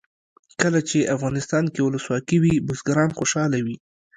کله چې افغانستان کې ولسواکي وي بزګران خوشحاله وي.